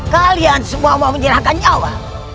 kalian semua mau menyerahkan nyawa